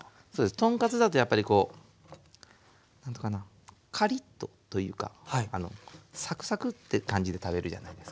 豚カツだとやっぱりこうカリッとというかサクサクって感じで食べるじゃないですか。